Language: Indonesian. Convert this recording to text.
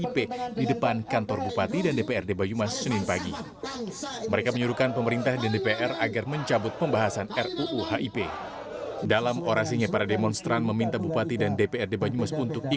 pengalaman pagar kantor bupati dan dprd banyumas